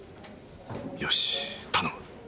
よし頼む。